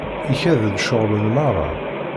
Ikad-d ceɣlen merra.